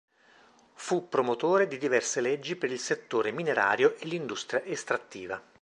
Fu promotore di diverse leggi per il settore minerario e l'industria estrattiva.